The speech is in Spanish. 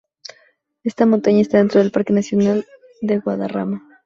Esta montaña está dentro del Parque Nacional de Guadarrama.